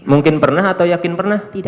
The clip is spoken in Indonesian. mungkin pernah atau yakin pernah tidak